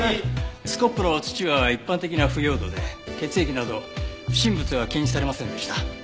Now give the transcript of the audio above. スコップの土は一般的な腐葉土で血液など不審物は検出されませんでした。